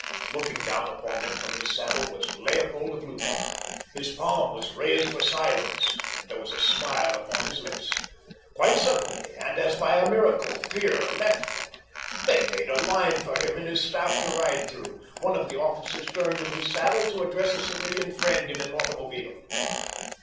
Looking down upon them from his saddle was Leopold of Lutha. His palm was raised for silence and there was a smile upon his lips. Quite suddenly, and as by a miracle, fear left them. They made a line for him and his staff to ride through. One of the officers turned in his saddle to address a civilian friend in an automobile.